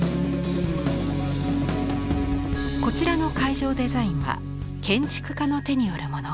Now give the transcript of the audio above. こちらの会場デザインは建築家の手によるもの。